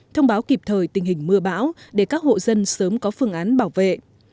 thông báo kịp thời tình hình mưa bão để các hộ dân sớm có phương án bảo vệ